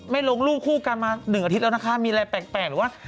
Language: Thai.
ลงรูปคู่กันมา๑อาทิตย์แล้วนะคะมีอะไรแปลกหรือว่า